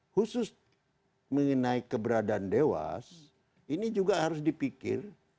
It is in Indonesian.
khusus mengenai keberadaan dewas ini juga harus dipikir